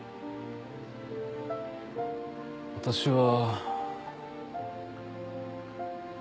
私は。